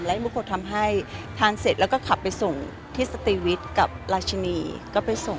ทุกคนทำให้ทานเสร็จแล้วก็ขับไปส่งที่สตรีวิทย์กับราชินีก็ไปส่ง